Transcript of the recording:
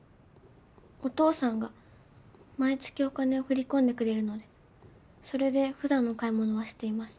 お父さんが毎月お金を振り込んでくれるのでそれで普段の買い物はしています。